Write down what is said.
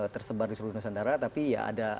tersebar di seluruh nusantara tapi ya ada